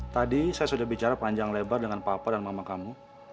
tadi saya sudah bicara panjang lebar dengan papa dan mama kamu